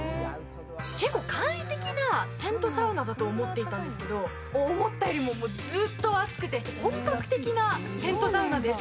結構、簡易的なテントサウナだと思ってたんですけど思ったよりもずっと熱くて本格的なテントサウナです。